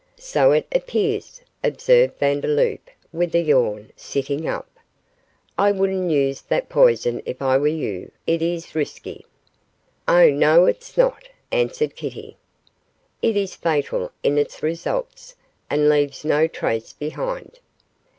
'So it appears,' observed Vandeloup, with a yawn, sitting up. 'I wouldn't use that poison if I were you; it is risky.' 'Oh, no, it's not,' answered Kitty; 'it is fatal in its results, and leaves no trace behind.